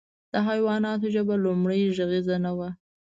د حیواناتو ژبه لومړۍ غږیزه نه وه.